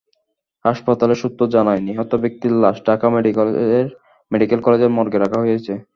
হাসপাতাল সূত্র জানায়, নিহত ব্যক্তির লাশ ঢাকা মেডিকেল কলেজের মর্গে রাখা হয়েছে।